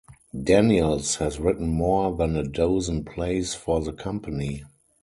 Daniels has written more than a dozen plays for the company.